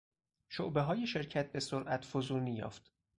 شعبههای شرکت به سرعت فزونی یافت.